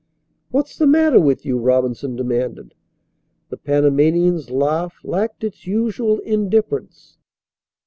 "What's the matter with you?" Robinson demanded. The Panamanian's laugh lacked its usual indifference.